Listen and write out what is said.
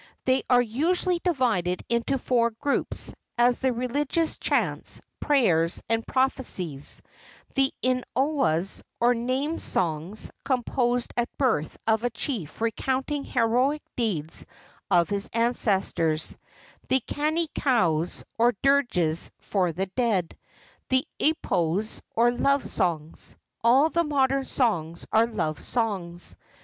They are usually divided into four groups, as the religious chants, prayers, and prophecies; the inoas, or name songs composed at birth of a chief recounting heroic deeds of his ancestors; the kanikaus, or dirges for the dead; the ipos, or love songs.—All the modern songs are love songs.